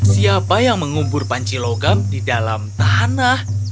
siapa yang mengubur panci logam di dalam tanah